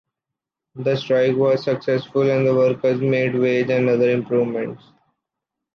The strike was successful and the workers made wage and other improvements.